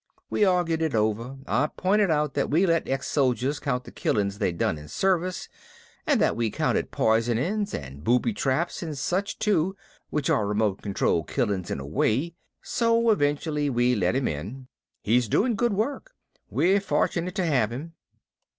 We argued it over, I pointed out that we let ex soldiers count the killings they'd done in service, and that we counted poisonings and booby traps and such too which are remote control killings in a way so eventually we let him in. He's doing good work. We're fortunate to have him."